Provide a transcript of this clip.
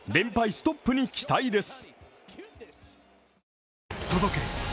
ストップに期待です。